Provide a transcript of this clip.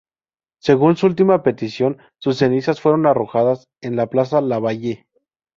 Según su última petición, sus cenizas fueron arrojadas en la Plaza Lavalle.